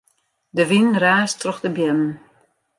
De wyn raast troch de beammen.